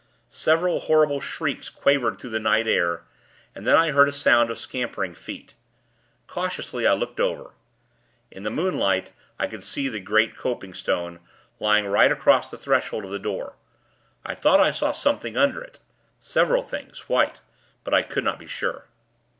Several horrible shrieks quavered through the night air, and then I heard a sound of scampering feet. Cautiously, I looked over. In the moonlight, I could see the great copingstone, lying right across the threshold of the door. I thought I saw something under it several things, white; but I could not be sure.